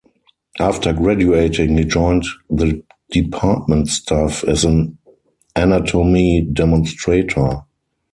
After graduating he joined the department staff as an anatomy Demonstrator.